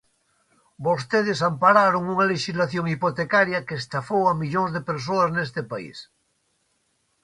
Vostedes ampararon unha lexislación hipotecaria que estafou a millóns de persoas neste país.